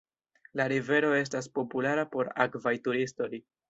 La rivero estas populara por akvaj turistoj.